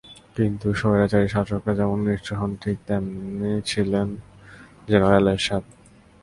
কিন্তু স্বৈরাচারী শাসকেরা যেমন নিষ্ঠুর হন, ঠিক তেমনই ছিলেন জেনারেল এরশাদ।